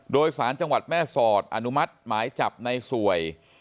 โดยสารจังหวัดแม่สอดอนุมัติหมายจับในสวย